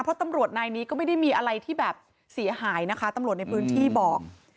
เพราะตำรวจนายนี้ก็ไม่ได้มีอะไรที่แบบเสียหายนะคะตำรวจในพื้นที่บอก